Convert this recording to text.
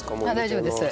大丈夫です。